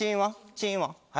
チンは？